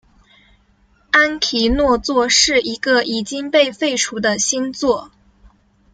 安提诺座是一个已经被废除的星座。